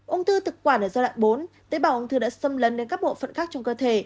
ung thư thực quản ở giai đoạn bốn tế bào ung thư đã xâm lấn đến các bộ phận khác trong cơ thể